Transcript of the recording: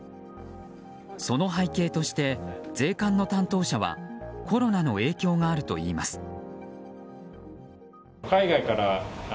その背景として税関の担当者はコロナの影響があるといいます。